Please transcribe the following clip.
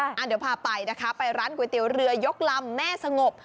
เดี๋ยวพาไปนะคะไปร้านก๋วยเตี๋ยวเรือยกลำแม่สงบ